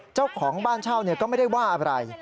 เจ้าของบ้านเช่าก็ไม่ได้ว่าอะไร